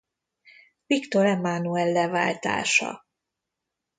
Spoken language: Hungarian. Viktor Emánuel leváltása.